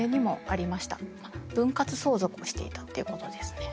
分割相続をしていたっていうことですね。